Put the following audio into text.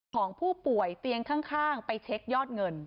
ของผู้ป่วยเตียงข้างไปเช็คยอดเงิน